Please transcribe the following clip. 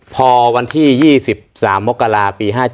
พอวันที่๒๓มกราปี๕๗